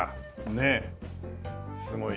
ねえすごい。